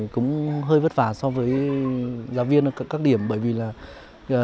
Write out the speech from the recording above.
cũng hơi vất vả so với giáo viên ở các điểm bởi vì là